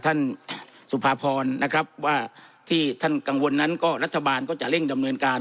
สุภาพรนะครับว่าที่ท่านกังวลนั้นก็รัฐบาลก็จะเร่งดำเนินการ